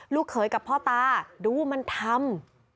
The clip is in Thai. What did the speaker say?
เขยกับพ่อตาดูมันทำ